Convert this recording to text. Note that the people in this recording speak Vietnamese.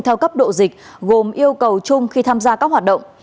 theo cấp độ dịch gồm yêu cầu chung khi tham gia các hoạt động